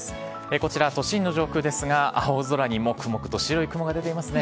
こちら、都心の上空ですが、青空にもくもくと白い雲が出ていますね。